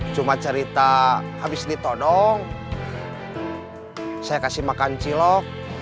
cuma cerita habis ditolong saya kasih makan cilok